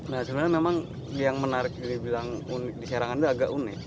nah sebenarnya memang yang menarik yang dibilang unik di sarangannya agak unik